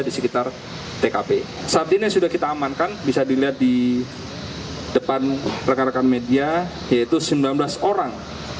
di sekitar tkp saat ini sudah kita amankan bisa dilihat di depan rekan rekan media yaitu sembilan belas orang